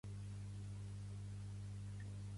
Em poso talons i faig veure que sóc una dona.